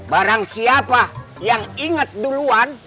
barang siapa yang inget dulu